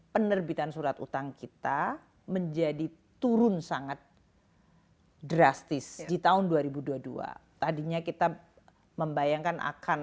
penerbitan surat utang kita menjadi turun sangat drastis di tahun dua ribu dua puluh dua tadinya kita membayangkan akan